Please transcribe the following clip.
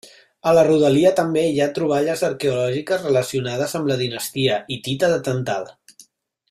A la rodalia també hi ha troballes arqueològiques relacionades amb la dinastia hitita de Tàntal.